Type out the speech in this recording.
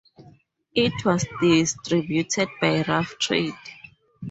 It was distributed by Rough Trade.